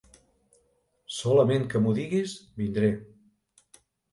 Solament que m'ho diguis, vindré.